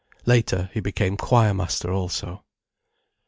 Later, he became choir master also.